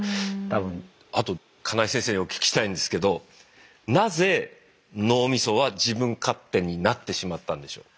あと金井先生にお聞きしたいんですけどなぜ脳みそは自分勝手になってしまったんでしょう？